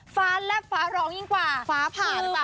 แลบฟ้าร้องยิ่งกว่าฟ้าผ่าหรือเปล่า